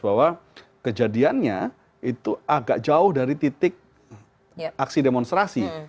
bahwa kejadiannya itu agak jauh dari titik aksi demonstrasi